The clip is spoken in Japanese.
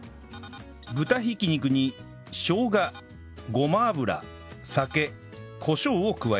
豚挽き肉にしょうがごま油酒コショウを加えたら